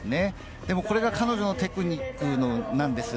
でもこれが彼女のテクニックなんです。